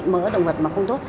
mỡ động vật mà không tốt